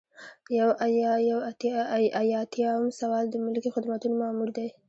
یو ایاتیام سوال د ملکي خدمتونو مامور دی.